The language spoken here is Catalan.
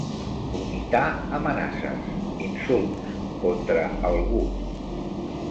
Vomitar amenaces, insults, contra algú.